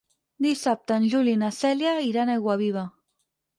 Dissabte en Juli i na Cèlia iran a Aiguaviva.